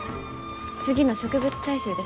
次の植物採集ですか？